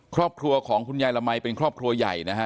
ครอบครัวของคุณยายละมัยเป็นครอบครัวใหญ่นะฮะ